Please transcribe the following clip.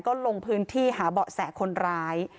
ก็ลงพื้นที่หาเบาะแสคนร้าย